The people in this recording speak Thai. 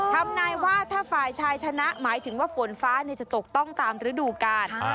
ทำนายว่าถ้าฝ่ายชายชนะหมายถึงว่าฝนฟ้าจะตกต้องตามฤดูกาล